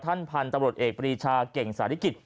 พันธุ์ตำรวจเอกปรีชาเก่งสาริกิจ